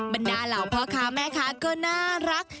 บรรดาเหล่าพ่อค้าแม่ค้าก็น่ารัก